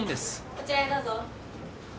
こちらへどうぞ。